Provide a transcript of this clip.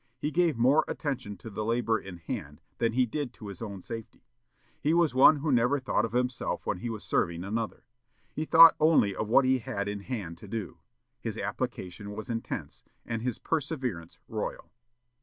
He gave more attention to the labor in hand than he did to his own safety. He was one who never thought of himself when he was serving another. He thought only of what he had in hand to do. His application was intense, and his perseverance royal."